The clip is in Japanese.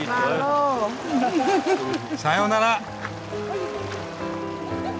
さよなら。